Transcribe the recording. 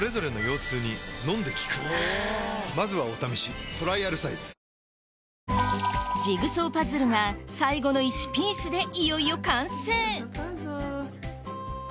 うまクリアアサヒイェーイジグソーパズルが最後の１ピースでいよいよ完成！